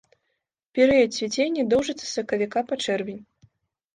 Перыяд цвіцення доўжыцца з сакавіка па чэрвень.